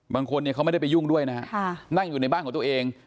บางคนเนี่ยเขาไม่ได้ไปยุ่งด้วยนะฮะนั่งอยู่ในบ้านของตัวเอง